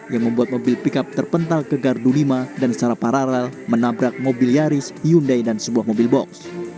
yang membuat mobil pickup terpental ke gardu lima dan secara paralel menabrak mobil yaris hyundai dan sebuah mobil box